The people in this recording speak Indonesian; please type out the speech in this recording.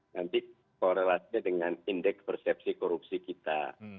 nanti korelasinya dengan indeks persepsi korupsi kita